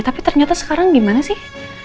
tapi ternyata sekarang gimana sih